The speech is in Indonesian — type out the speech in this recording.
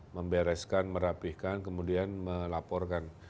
membereskan merapihkan kemudian melaporkan